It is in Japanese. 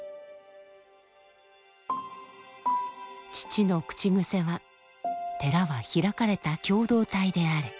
父の口癖は「寺は開かれた共同体であれ」。